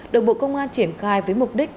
được bộ công an triển khai với mục đích